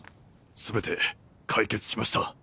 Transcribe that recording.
全て解決しました。